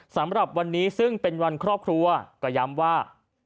สำหรับวันนี้ซึ่งเป็นวันครอบครัวก็ย้ำว่า